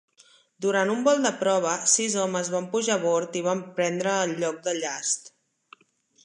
Durant un vol de prova, sis homes van pujar a bord i van prendre el lloc de llast.